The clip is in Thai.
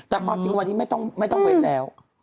แต่ความจริงวันนี้ไม่ต้องเว้นแล้ว